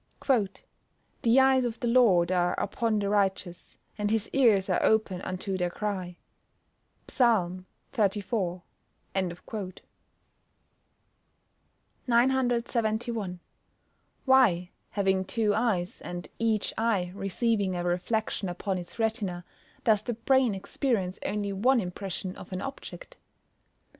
[Verse: "The eyes of the Lord are upon the righteous, and his ears are open unto their cry." PSALM XXXIV.] 971. _Why, having two eyes, and each eye receiving a reflection upon its retina, does the brain experience only one impression of an object?